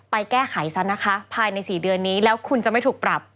ไปแก้ไขซะนะคะภายใน๔เดือนนี้แล้วคุณจะไม่ถูกปรับ